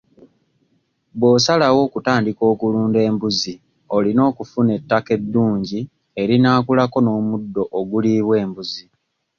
Bw'osalawo okutandika okulunda embuzi olina okufuna ettaka eddungi erinaakulako n'omuddo oguliibwa embuzi.